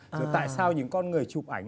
rồi tại sao những con người chụp ảnh